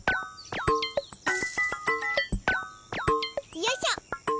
よいしょ。